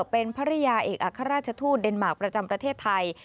เป็นภรรยาเอกอัครราชทูตเดนมาร์คประจำประเทศไทย